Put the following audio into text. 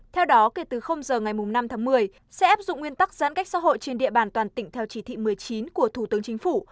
theo đó kể từ giờ ngày năm tháng một mươi sẽ áp dụng nguyên tắc giãn cách xã hội trên địa bàn toàn tỉnh theo chỉ thị một mươi chín của thủ tướng chính phủ